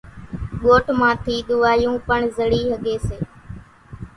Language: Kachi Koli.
ڳوٺ مان ٿِي ۮووايون پڻ زڙِي ۿڳيَ سي۔